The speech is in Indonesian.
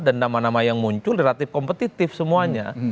dan nama nama yang muncul relatif kompetitif semuanya